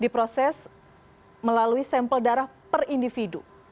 diproses melalui sampel darah per individu